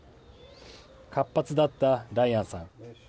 活発だったラヤンさん。